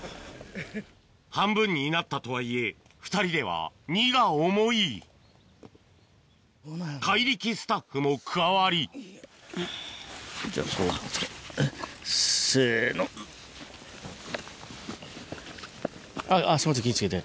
半分になったとはいえ２人では荷が重い怪力スタッフも加わりあっ足元気ぃ付けて。